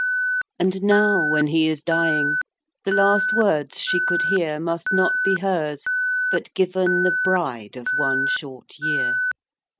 XII. And now, when he is dying, The last words she could hear Must not be hers, but given The bride of one short year.